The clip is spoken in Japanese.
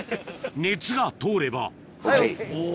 熱が通ればはいＯＫ。